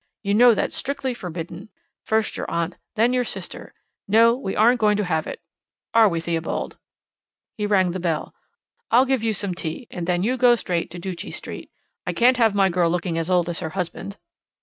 You know that's strictly forbidden. First your aunt then your sister. No, we aren't going to have it. Are we, Theobald?" He rang the bell. "I'll give you some tea, and then you go straight to Ducie Street. I can't have my girl looking as old as her husband."